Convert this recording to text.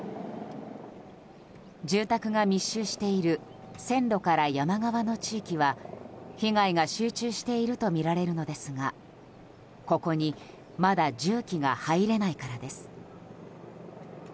住宅が密集している線路から山側の地域は被害が集中しているとみられるのですがここに、まだ重機が入れないからです。